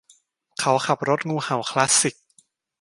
เขาขับรถงูเห่าคลาสสิค